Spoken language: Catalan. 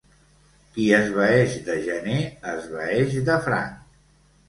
Qui esvaeix de gener, esvaeix de franc.